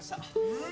・うん！